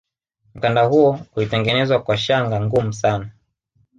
mkanda huo ulitengenezwa kwa shanga ngumu sana